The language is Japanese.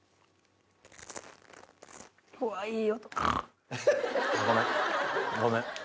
うわいい音！ごめんごめん。